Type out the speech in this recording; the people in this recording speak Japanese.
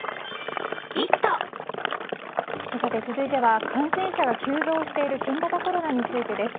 続いては感染者が急増している新型コロナについてです。